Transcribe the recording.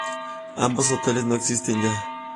Ambos hoteles no existen ya.